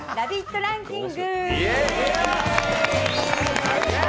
ランキング。